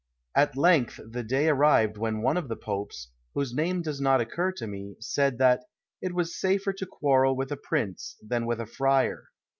At length the day arrived when one of the Popes, whose name does not occur to me, said that "it was safer to quarrel with a prince than with a friar."